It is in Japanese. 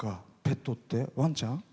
ペットってワンちゃん？